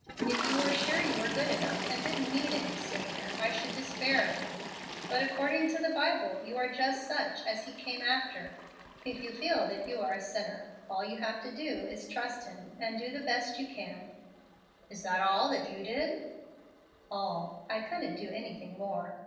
If you were sure you were good enough and didn't need any Saviour, I should despair of you. But according to the Bible you are just such as He came after. If you feel that you are a sinner, all you have to do is to trust Him and do the best you can." "Is that all you did?" "All. I couldn't do anything more.